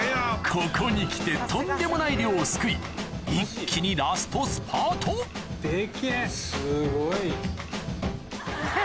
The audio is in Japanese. ここに来てとんでもない量をすくい一気にラストスパートデケェ。